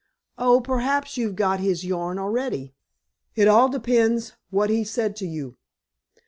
"Oh, perhaps you've got his yarn already?" "It all depends what he said to you."